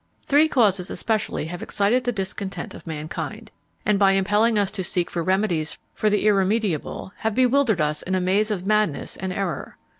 Three causes especially have excited the discontent of mankind; and, by impelling us to seek for remedies for the irremediable, have bewildered us in a maze of madness and error.